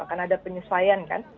akan ada penyesuaian kan